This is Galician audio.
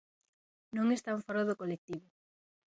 Non están fóra do colectivo.